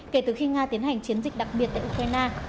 kể từ khi nga tiến hành chiến dịch đặc biệt tại ukraine